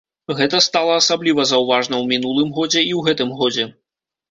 Гэта стала асабліва заўважна ў мінулым годзе, і ў гэтым годзе.